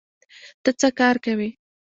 ته څه کار کوې؟